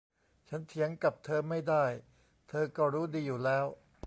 ฉันเถียงกับเธอไม่ได้ เธอก็รู้ดีอยู่แล้ว